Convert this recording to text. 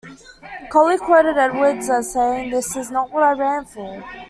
Colle quoted Edwards as saying, "This is not what I ran for".